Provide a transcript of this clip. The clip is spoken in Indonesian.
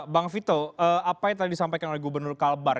bang vito apa yang tadi disampaikan oleh gubernur kalbar